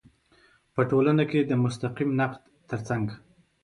په ټولنه کې د مستقیم نقد تر څنګ